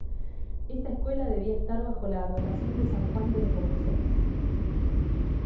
Esta escuela debía estar bajo la advocación de San Juan de Nepomuceno.